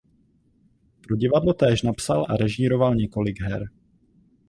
Pro divadlo též napsal a režíroval několik her.